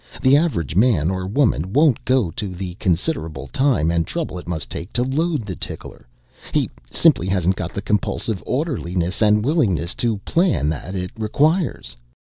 The average man or woman won't go to the considerable time and trouble it must take to load a tickler. He simply hasn't got the compulsive orderliness and willingness to plan that it requires."